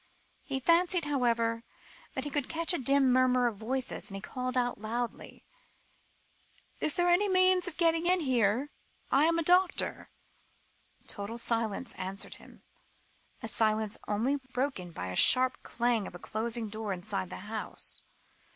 He fancied, however, that he could catch a distant murmur of voices, and he called out loudly: "Is there any means of getting in here? I am the doctor." Total silence answered him, a silence only broken by the sharp clang of a closing door inside the house.